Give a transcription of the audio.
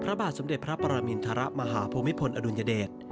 พระบาทสมเด็จพระปรมินทรมาหาภูมิพลอดุลยเดช